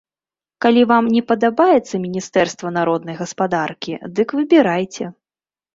Калі вам не падабаецца міністэрства народнай гаспадаркі, дык выбірайце.